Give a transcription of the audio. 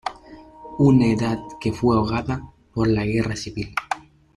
Una Edad que fue ahogada por la Guerra Civil.